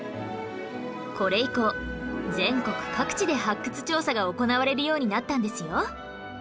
これ以降全国各地で発掘調査が行われるようになったんですよ